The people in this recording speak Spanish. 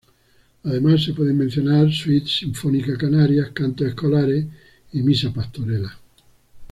Además, se pueden mencionar "Suite Sinfónica Canaria", "Cantos Escolares" y "Misa Pastorela".